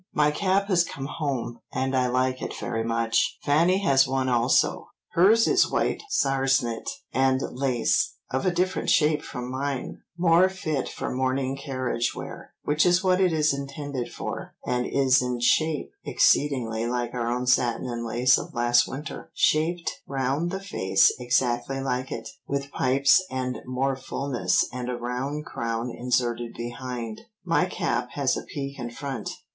"My cap has come home, and I like it very much, Fanny has one also, hers is white sarsenet and lace, of a different shape from mine, more fit for morning carriage wear, which is what it is intended for, and is in shape exceedingly like our own satin and lace of last winter, shaped round the face exactly like it, with pipes and more fulness and a round crown inserted behind. My cap has a peak in front.